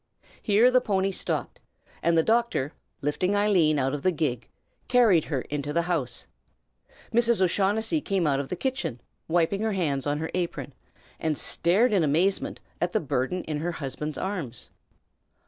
Here the pony stopped, and the doctor, lifting Eileen out of the gig, carried her into the house. Mrs. O'Shaughnessy came out of the kitchen, wiping her hands on her apron, and stared in amazement at the burden in her husband's arms.